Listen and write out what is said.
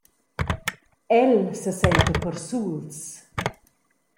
El sesenta persuls.